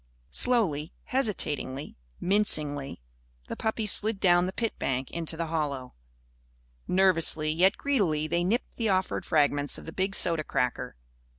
Slowly, hesitatingly, mincingly, the puppies slid down the pit bank into the hollow. Nervously, yet greedily, they nipped the offered fragments of the big soda cracker.